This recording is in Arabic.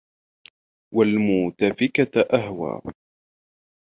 وَالمُؤتَفِكَةَ أَهوى